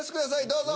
どうぞ。